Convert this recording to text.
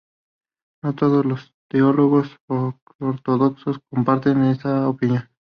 No todos los teólogos ortodoxos comparten esta opinión.